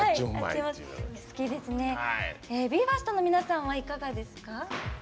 ＢＥ：ＦＩＲＳＴの皆さんはいかがですか？